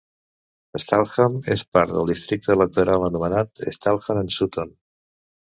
Stalham és part del districte electoral anomenat Stalham and Sutton.